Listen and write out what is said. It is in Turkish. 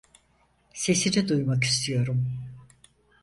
Sesini duymak istiyorum.